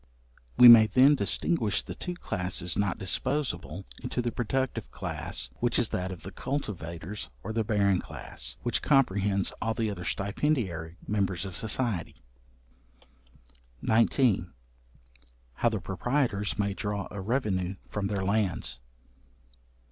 We may then distinguish the two classes not disposable into the productive class, which is that of the cultivators, or the barren class, which comprehends all the other stipendiary members of society. §19. How the proprietors may draw a revenue from their lands.